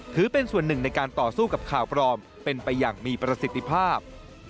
ถือเป็นส่วนหนึ่งในการต่อสู้กับข่าวปลอมเป็นไปอย่างมีประสิทธิภาพ